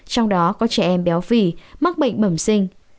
trong đó có trẻ em béo phì mắc bệnh bẩm sinh